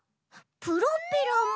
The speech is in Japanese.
プロペラも。